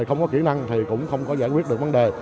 không có kỹ năng thì cũng không có giải quyết được vấn đề